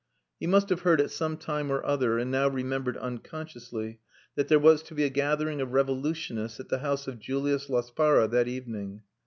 He must have heard at some time or other and now remembered unconsciously that there was to be a gathering of revolutionists at the house of Julius Laspara that evening.